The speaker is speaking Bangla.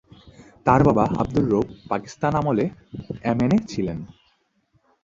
তার বাবা আব্দুর রব পাকিস্তান আমলে এমএনএ ছিলেন।